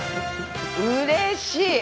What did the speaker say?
うれしい。